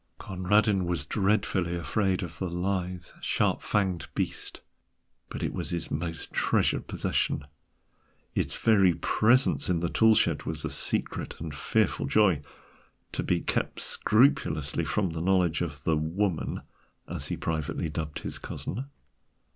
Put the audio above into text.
Conradin was dreadfully afraid of the lithe, sharp fanged beast, but it was his most treasured possession. Its very presence in the tool shed was a secret and fearful joy, to be kept scrupulously from the knowledge of the Woman, as he privately dubbed his cousin.